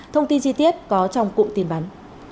thông tin chi tiết có trong cụm tin bắn